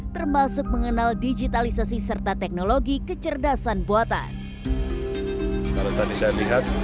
termasuk mengenal digitalisasi serta teknologi kecerdasan buatan kalau tadi saya lihat